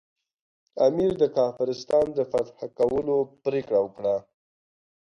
امیر د کافرستان د فتح کولو پرېکړه وکړه.